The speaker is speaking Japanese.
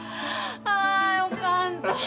あよかった。